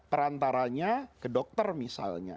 perantaranya ke dokter misalnya